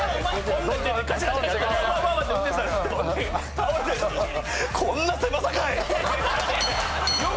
倒れて「こんな狭さかい！」。